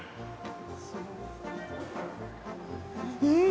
うん！